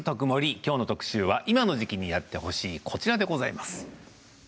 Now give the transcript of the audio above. きょうの特集は今の時期にやってほしいこちらです。